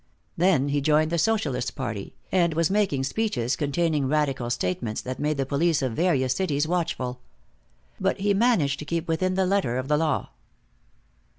Then he joined the Socialist party, and was making speeches containing radical statements that made the police of various cities watchful. But he managed to keep within the letter of the law.